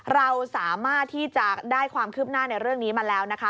เราสามารถที่จะได้ความคืบหน้าในเรื่องนี้มาแล้วนะคะ